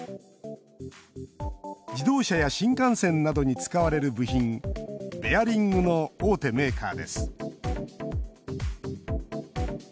自動車や新幹線などに使われる部品、ベアリングの大手メーカーです。